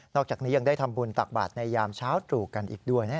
อกจากนี้ยังได้ทำบุญตักบาทในยามเช้าตรู่กันอีกด้วยนะ